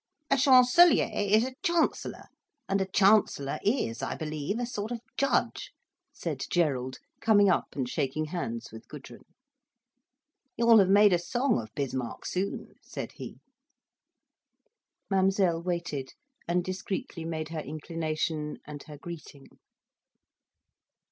"A chancelier is a chancellor, and a chancellor is, I believe, a sort of judge," said Gerald coming up and shaking hands with Gudrun. "You'll have made a song of Bismarck soon," said he. Mademoiselle waited, and discreetly made her inclination, and her greeting.